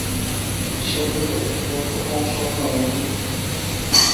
সে বলিল, তোর তো কম শখ নয় মতি!